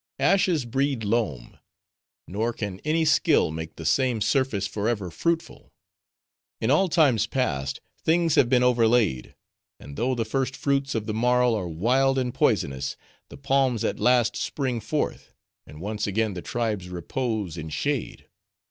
Ashes breed loam. Nor can any skill make the same surface forever fruitful. In all times past, things have been overlaid; and though the first fruits of the marl are wild and poisonous, the palms at last spring forth; and once again the tribes repose in shade.